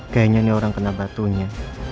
kayaknya ini orang kena batunya